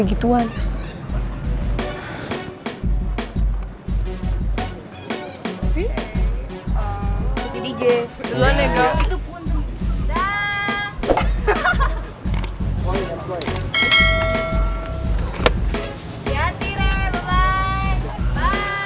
sebetulan ya girls